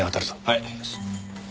はい。